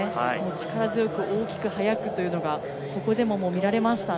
力強く大きく速くというのがここでも見られました。